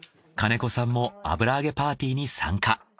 金子さんも油揚げパーティーに参加。